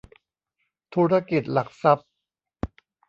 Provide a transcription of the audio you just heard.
ธุรกิจหลักทรัพย์